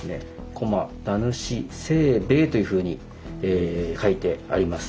「巨摩名主清兵衛」というふうに書いてあります。